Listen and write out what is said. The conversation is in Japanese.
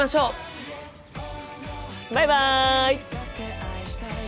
バイバイ！